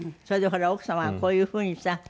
それでほら奥様はこういうふうにさ